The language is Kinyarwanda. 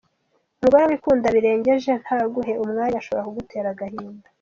Umugore wikunda birengeje ntaguhe umwanya ashobora kugutera agahinda.